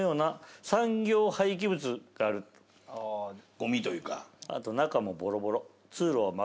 ゴミというか。